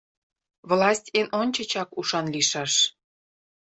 Власть эн ончычак ушан лийшаш.